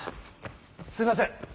すいません！